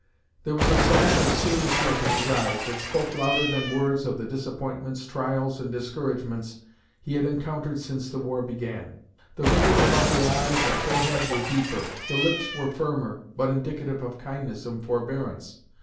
There was a sad and serious look in his eyes that spoke louder than words of the disappointments, trials, and discouragements he had encountered since the war began. The wrinkles about the eyes and forehead were deeper; the lips were firmer, but indicative of kindness and forbearance.